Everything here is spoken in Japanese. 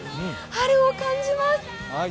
春を感じます。